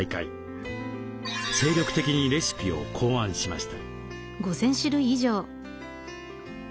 精力的にレシピを考案しました。